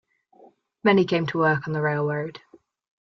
Many came to work on the railroad.